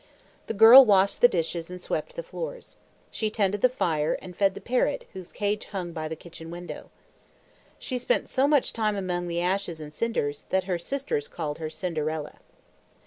The girl washed the dishes and swept the floors. She tended the fire and fed the parrot whose cage hung by the kitchen window. She spent so much time among the ashes and cinders, that her sisters called her Cinderella.